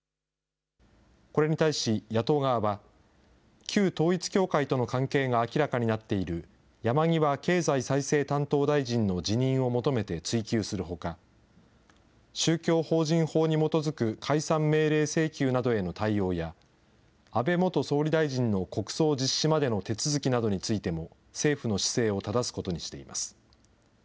これに対し、野党側は、旧統一教会との関係が明らかになっている山際経済再生担当大臣の辞任を求めて追及するほか、宗教法人法に基づく解散命令請求などへの対応や、安倍元総理大臣の国葬実施までの手続きなどについても、政府の姿勢をただすことにしています。